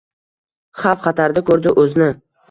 Xavf-xatarda koʼrdi oʼzni.